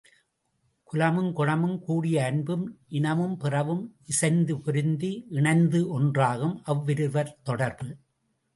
குலமும் குணமும் கூடிய, அன்பும் இனமும் பிறவும் இசைந்து பொருந்தி இணைந்த ஒன்றாகும் அவ்விருவர் தொடர்பு.